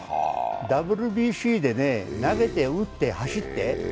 ＷＢＣで投げて、打って、走って。